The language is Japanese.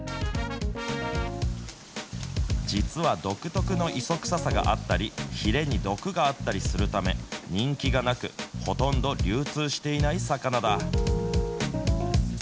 実は独特の磯臭さがあったり、ひれに毒があったりするため、人気がなく、ほとんど流通していない魚だ。